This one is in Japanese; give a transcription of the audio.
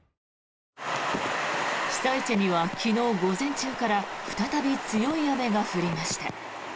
被災地には昨日午前中から再び強い雨が降りました。